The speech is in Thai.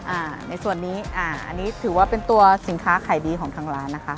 อ่าในส่วนนี้อ่าอันนี้ถือว่าเป็นตัวสินค้าขายดีของทางร้านนะคะ